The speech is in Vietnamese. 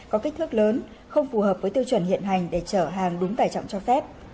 có kích thước lớn không phù hợp với tiêu chuẩn hiện hành để chở hàng đúng tải trọng cho phép